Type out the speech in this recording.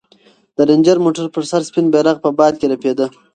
د رنجر موټر پر سر سپین بیرغ په باد کې رپېده.